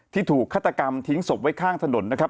ถูกฆาตกรรมทิ้งศพไว้ข้างถนนนะครับ